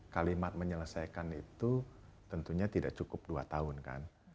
kalimat menyelesaikan itu tentunya tidak cukup dua tahun kan